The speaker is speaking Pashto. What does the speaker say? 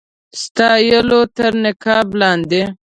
ستایلو تر نقاب لاندي.